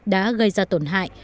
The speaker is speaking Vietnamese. đã gây ra tổn hại